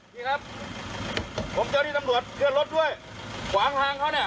นี่ครับผมเจ้าที่ตำรวจเคลื่อนรถด้วยขวางทางเขาเนี่ย